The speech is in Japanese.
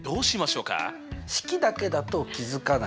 式だけだと気付かない。